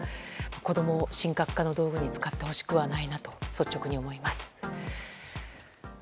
子供を神格化の道具に使ってほしくないなと率直に思います。